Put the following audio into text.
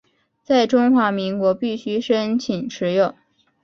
在中华民国必须申请持有。